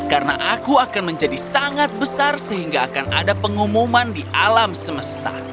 karena aku akan menjadi sangat besar sehingga akan ada pengumuman di alam semesta